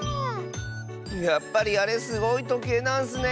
やっぱりあれすごいとけいなんスね。